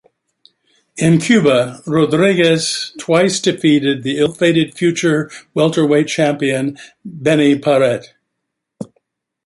In Cuba, Rodriguez twice defeated the ill-fated future welterweight champion Benny Paret.